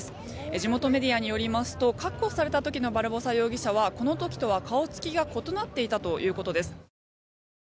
地元メディアによりますと確保された時のバルボサ容疑者はこの時とは顔つきが異なっていたということです。